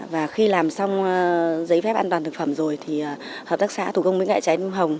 và khi làm xong giấy phép an toàn thực phẩm rồi thì hợp tác xã thủ công bến ngại trái tim hồng